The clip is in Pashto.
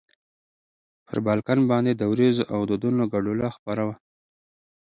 پر بالکن باندې د ورېځو او دودونو ګډوله خپره وه.